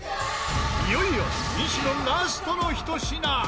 いよいよ西野ラストのひと品。